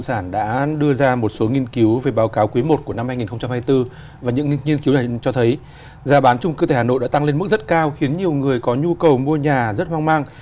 sản đã đưa ra một số nghiên cứu về báo cáo quý i của năm hai nghìn hai mươi bốn và những nghiên cứu này cho thấy giá bán trung cư tại hà nội đã tăng lên mức rất cao khiến nhiều người có nhu cầu mua nhà rất hoang mang